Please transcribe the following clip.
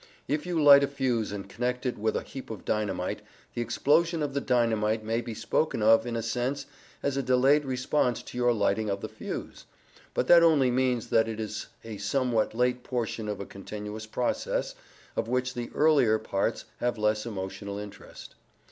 If you light a fuse and connect it with a heap of dynamite, the explosion of the dynamite may be spoken of, in a sense, as a delayed response to your lighting of the fuse. But that only means that it is a somewhat late portion of a continuous process of which the earlier parts have less emotional interest.